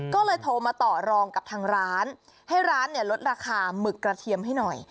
ก็เลยโทรมาต่อรองกับทางร้านให้ร้านเนี่ยลดราคาหมึกกระเทียมให้หน่อย